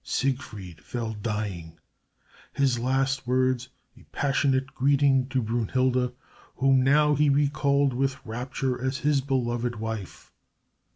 Siegfried fell dying, his last words a passionate greeting to Brünnhilde, whom now he recalled with rapture as his beloved wife.